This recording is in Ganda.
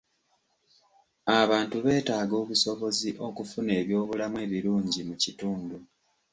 Abantu beetaaga obusobozi okufuna ebyobulamu ebirungi mu kitundu.